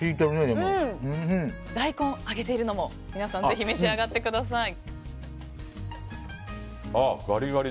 大根、揚げてるのもぜひ召し上がってください。